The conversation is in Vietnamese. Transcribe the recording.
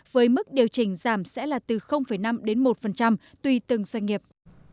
với mức điều chỉnh giảm sẽ là từ năm đến một tùy từng doanh nghiệp